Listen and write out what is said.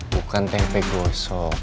bukan tempe gosong